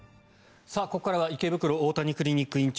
ここからは池袋大谷クリニック院長